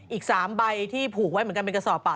อีก๓ใบที่ผูกไว้เหมือนกันเป็นกระสอบปาก